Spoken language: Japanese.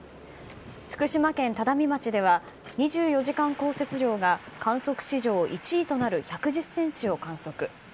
福島県只見町では２４時間降雪量が観測史上１位となる１１０ｃｍを観測。